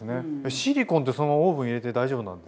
シリコンってそのままオーブン入れて大丈夫なんですね？